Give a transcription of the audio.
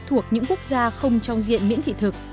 thuộc những quốc gia không trong diện miễn thị thực